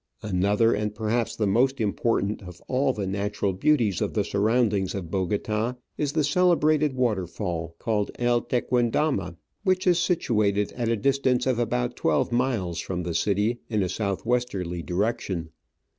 Another, and perhaps the most important of all the natural beauties of the surroundings of Bogota, is the celebrated waterfall, called El Tequen dama, which is situated at a distance of about twelve miles from the city, in a south westerly direction.